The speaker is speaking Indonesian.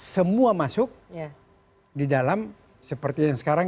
semua masuk di dalam seperti yang sekarang